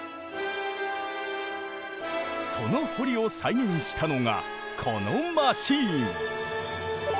その堀を再現したのがこのマシーン。